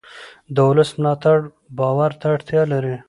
د ولس ملاتړ باور ته اړتیا لري